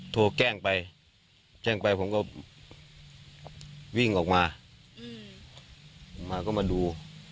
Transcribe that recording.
โทรแกล้งไปแจ้งไปผมก็วิ่งออกมามาก็มาดู